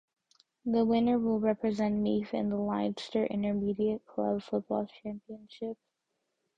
The winner will represent Meath in the Leinster Intermediate Club Football Championship.